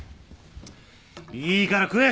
いいから食え！